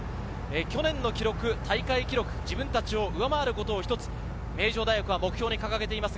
去年の大会記録、自分たちを上回ること名城大学は一つ目標に掲げています。